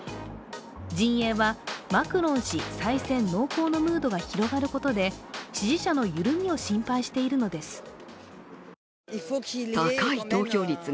陣営は、マクロン氏再選濃厚のムードが広がることで支持者の緩みを心配しているのです。